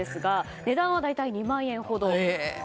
値段は大体２万円ほど。